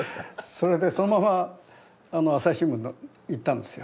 それでそのまま朝日新聞に行ったんですよ。